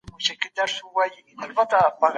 د مهارتونو پراختیا ستاسو ځواک زیاتوي.